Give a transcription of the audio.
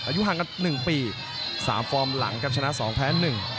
อายุห่างกัน๑ปี๓ฟอร์มหลังครับชนะ๒แพ้๑